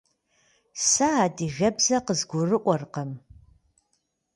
Se adıgebze khızgurı'uerkhım.